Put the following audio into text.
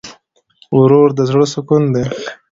ورور د زړه سکون دی.